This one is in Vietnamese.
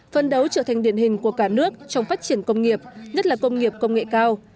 phân đấu trở thành điện hình của cả nước trong phát triển công nghiệp nhất là công nghiệp công nghệ cao